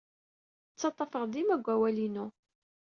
Ttaḍḍafeɣ dima deg wawal-inu.